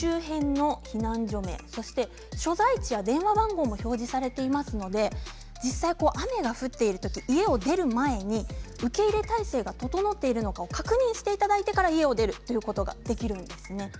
周辺の避難所名、所在地や電話番号も表示されていますので雨が降っている時、家を出る前に受け入れ態勢が整っているか確認していただいてから家を出ることができます。